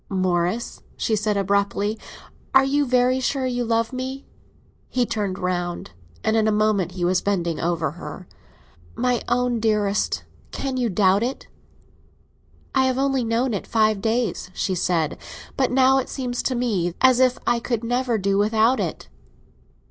"Morris," she said abruptly, "are you very sure you love me?" He turned round, and in a moment he was bending over her. "My own dearest, can you doubt it?" "I have only known it five days," she said; "but now it seems to me as if I could never do without it."